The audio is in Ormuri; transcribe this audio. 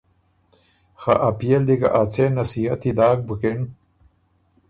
خه ا پئے ل دی که ا څېن نصیحتی داک بُکِن